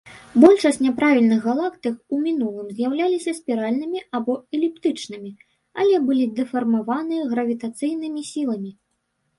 Большасць няправільных галактык ў мінулым з'яўляліся спіральнымі або эліптычнымі, але былі дэфармаваны гравітацыйнымі сіламі.